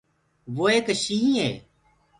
وو ايڪ شيِنهيٚنَ هي۔